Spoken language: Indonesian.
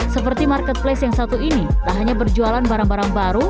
seperti marketplace yang satu ini tak hanya berjualan barang barang baru